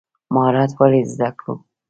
مهارت ولې زده کړو؟